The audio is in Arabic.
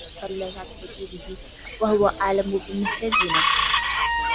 إِنَّ رَبَّكَ هُوَ أَعْلَمُ بِمَن ضَلَّ عَن سَبِيلِهِ وَهُوَ أَعْلَمُ بِالْمُهْتَدِينَ